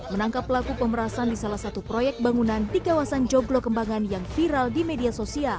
menangkap pelaku pemerasan di salah satu proyek bangunan di kawasan joglo kembangan yang viral di media sosial